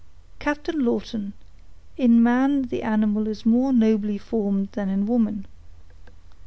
"Captain Lawton, in man the animal is more nobly formed than in woman.